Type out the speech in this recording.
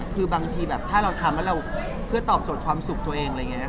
คือบางทีแบบถ้าเราทำแล้วเราเพื่อตอบโจทย์ความสุขตัวเอง